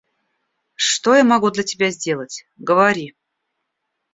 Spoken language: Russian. – Что я могу для тебя сделать? Говори.